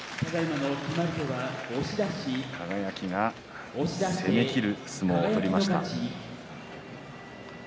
輝が攻めきる相撲を取りました。